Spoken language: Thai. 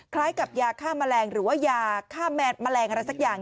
คล้ายกับยาฆ่าแมลงหรือว่ายาฆ่าแมลงอะไรสักอย่าง